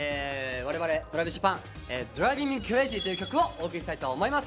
我々ＴｒａｖｉｓＪａｐａｎ「ＤＲＩＶＩＮ’ＭＥＣＲＡＺＹ」という曲をお送りしたいと思います。